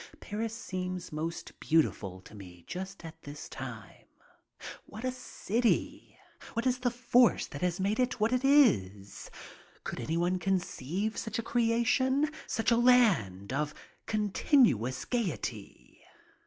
Paris seems most beautiful to me just at this time. What a city! What is the force that has made it what it is? Could anyone conceive such a creation, such a land io8 MY TRIP ABROAD of continuous gayety?